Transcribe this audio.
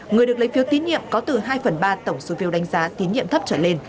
người được lấy phiếu tín nhiệm có từ hai phần ba tổng số phiếu đánh giá tín nhiệm thấp trở lên